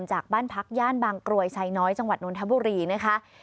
จากบ้านพักย่านบางกรวยไซน้อยจังหวัดนทบุรีนะคะ